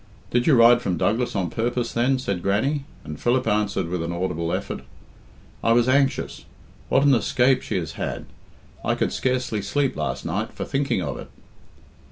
"Did you ride from Douglas on purpose, then?" said Grannie, and Philip answered with an audible effort "I was anxious. What an escape she has had! I could scarcely sleep last night for thinking of it."